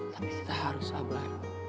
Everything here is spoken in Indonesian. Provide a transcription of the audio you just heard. tapi kita harus sabar